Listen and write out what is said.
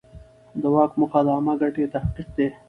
د واک موخه د عامه ګټې تحقق دی.